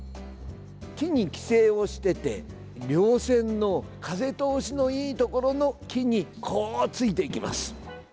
木に寄生をしていてりょう線の風通しのいいところの木に、こうついていきます。